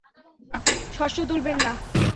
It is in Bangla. শস্য তুলবেন না!